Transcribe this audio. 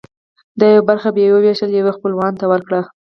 دا یوه برخه به یې وویشله او یوه خپلوانو ته ورکړه.